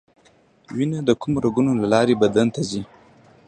وینه د کومو رګونو له لارې بدن ته ځي